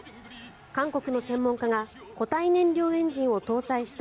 韓国の専門家が固体燃料エンジンを搭載した